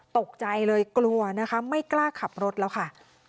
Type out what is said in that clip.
ตกใจเลยกลัวนะคะไม่กล้าขับรถแล้วค่ะ